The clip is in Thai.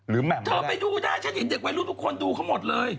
เธอไปดูได้ฉันเห็นเด็กวัยรุ่นทุกคนดูเขาหมดเลย